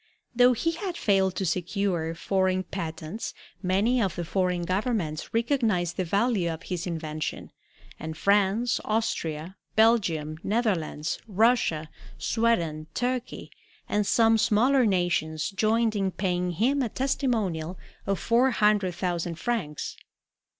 Though he had failed to secure foreign patents, many of the foreign governments recognized the value of his invention, and France, Austria, Belgium, Netherlands, Russia, Sweden, Turkey, and some smaller nations joined in paying him a testimonial of four hundred thousand francs.